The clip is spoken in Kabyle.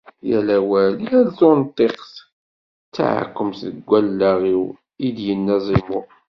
Yal awal, yal tunṭiqt, d taεkemt deg wallaɣ-iw, i d-yenna Zimu.